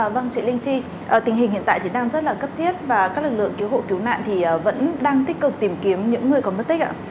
vâng chị linh chi tình hình hiện tại thì đang rất là cấp thiết và các lực lượng cứu hộ cứu nạn thì vẫn đang tích cực tìm kiếm những người còn mất tích ạ